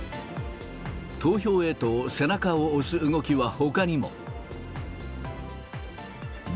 投票へと背中を押す動きはほかにも。